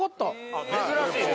珍しいですね。